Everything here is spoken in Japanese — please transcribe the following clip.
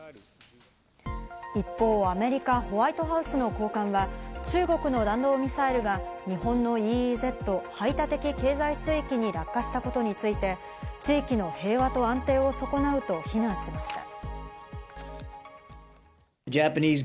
一方、アメリカ・ホワイトハウスの高官は中国の弾道ミサイルが日本のＥＥＺ＝排他的経済水域に落下したことについて、地域の平和と安定を損なうと非難しました。